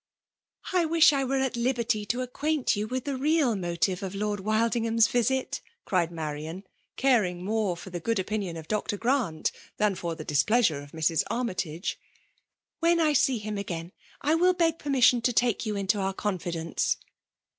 '*" *'I i^ilh 1 were at liberty to acqiudnt you iriMi the real motive of Lord Wildingham'k' vMt!/* cri^ 'Marian, caring 'more &f the' go<i(l 'Opinion of Dr. Grant' than for the' dis ptdasure of Mrs. Armytage. " When I see hkn again, I will beg permission to take you i^tooiir confidence."